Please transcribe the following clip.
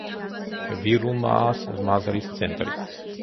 ვირუმაას მაზრის ცენტრი.